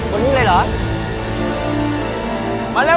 คนนี้เลยเหรอ